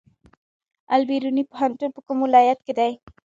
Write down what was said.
البیروني پوهنتون په کوم ولایت کې دی؟